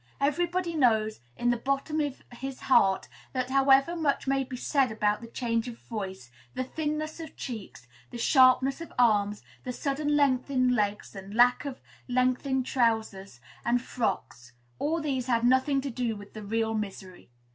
Everybody knows, in the bottom of his heart, that, however much may be said about the change of voice, the thinness of cheeks, the sharpness of arms, the sudden length in legs and lack of length in trousers and frocks, all these had nothing to do with the real misery.